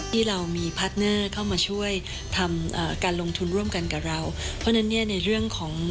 ที่เรามีพาร์ทเนอร์เข้ามาช่วยทำอ่าการลงทุนร่วมกันกับเราเพราะฉะนั้นเนี่ยในเรื่องของ